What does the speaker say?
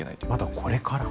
まだこれから？